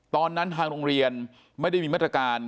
ตอนนั้นทางโรงเรียนไม่ได้มีมาตรการ